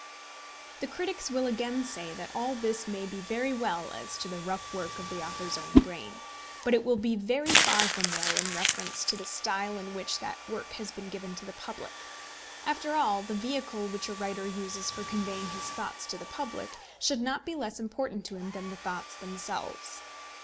The critics will again say that all this may be very well as to the rough work of the author's own brain, but it will be very far from well in reference to the style in which that work has been given to the public. After all, the vehicle which a writer uses for conveying his thoughts to the public should not be less important to him than the thoughts themselves.